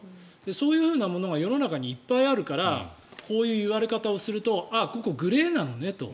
そういうものが世の中にいっぱいあるからこういう言われ方をするとここ、グレーなのねと。